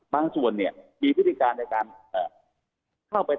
บางส่วนมีพฤติการในการเข้าไป